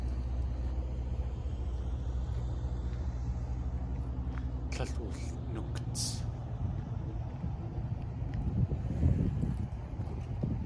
Tlél wulnúkts.